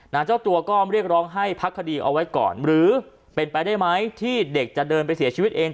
เจ้าตัวก็เรียกร้องให้พักคดีเอาไว้ก่อนหรือเป็นไปได้ไหมที่เด็กจะเดินไปเสียชีวิตเอง